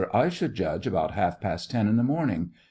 I should judge ab'out half past ten in the morning.